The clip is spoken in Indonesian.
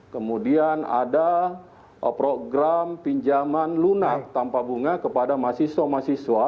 kemudian ada program pinjaman lunak tanpa bunga kepada mahasiswa mahasiswa